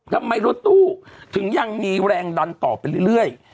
รถตู้ถึงยังมีแรงดันต่อไปเรื่อย